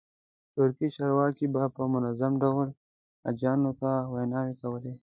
ترکي چارواکو به په منظم ډول حاجیانو ته ویناوې کولې.